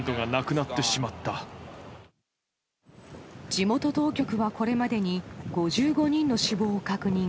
地元当局はこれまでに５５人の死亡を確認。